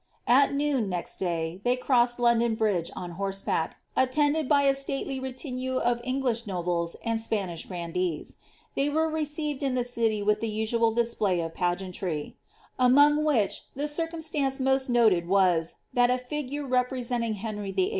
At noon, next day, they crossed London Bridge on horseback, attended by a stalely retinue of English nobles and Spanish grandees. They were received in the city with the usual display of pageantry ; among which the circumstance most noted was, that a figure representing Henry VIII.